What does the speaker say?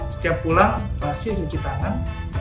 setiap pulang pasti cuci tangan